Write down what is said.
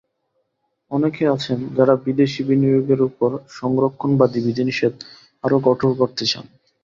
অনেকে আছেন যাঁরা বিদেশি বিনিয়োগেরওপর সংরক্ষণবাদী বিধিনিষেধ আরও কঠোর করতে চান।